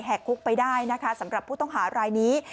แหกคุกไปได้สำหรับผู้ต้องหารายนี้